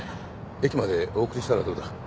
駅までお送りしたらどうだ。